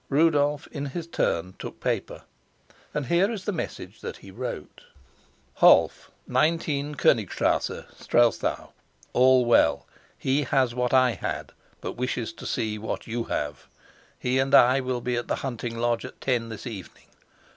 Rudolf in his turn took paper, and here is the message that he wrote: "Holf, 19, Konigstrasse, Strelsau. All well. He has what I had, but wishes to see what you have. He and I will be at the hunting lodge at ten this evening.